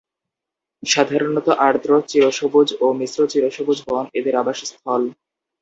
সাধারণত আর্দ্র চিরসবুজ ও মিশ্র চিরসবুজ বন এদের আবাসস্থল।